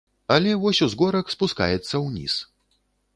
Але вось узгорак спускаецца ўніз.